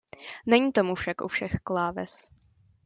Není tomu však u všech kláves.